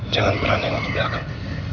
jangan pernah nengok belakang